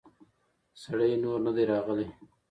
سړی نور نه دی راغلی.